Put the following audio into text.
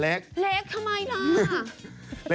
เล็กทำไมล่ะ